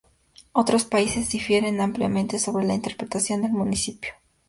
Otros países difieren ampliamente sobre la interpretación del principio.